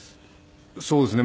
そうですね。